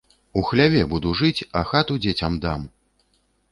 У хляве буду жыць, а хату дзецям дам!